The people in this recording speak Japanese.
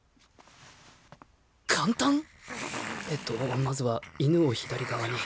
えとまずは犬を左側に。